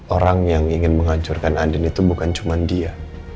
orang yang ingin menghancurkan aden itu bukan cuma dia